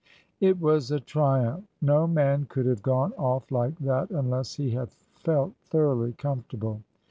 It was a triumph! No man could have gone off like that unless he had felt thoroughly comfortable.